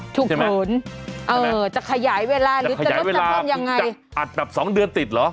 ถูกเขินจะขยายเวลาหรือจะลดทางเพิ่มอย่างไงอาจแบบสองเดือนติดเหรอ